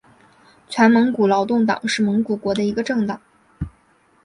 全蒙古劳动党是蒙古国的一个政党。